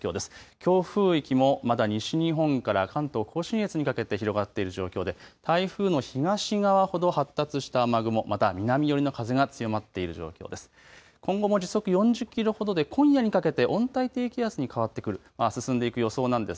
強風域もまだ西日本から関東甲信越にかけて広がっている状況で台風の東側ほど発達した雨雲、また南寄りの風が強まっている状況です。